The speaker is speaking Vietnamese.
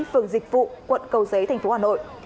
phường dịch vụ quận cầu giấy tp hà nội